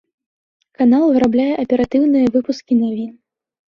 Канал вырабляе аператыўныя выпускі навін.